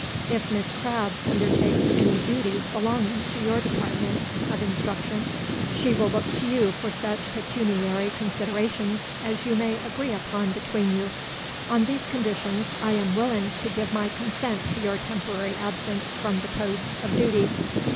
If Miss Crabs undertakes any dooties belongin' to your department of instruction, she will look to you for sech pecooniary considerations as you may agree upon between you. On these conditions I am willin' to give my consent to your temporary absence from the post of dooty.